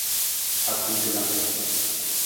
Akutelang.